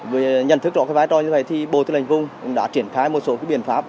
về nhận thức rõ cái vai trò như thế này thì bộ tư lệnh vùng đã triển khai một số cái biện pháp